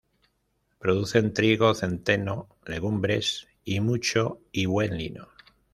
Producen trigo, centeno, legumbres y mucho y buen lino.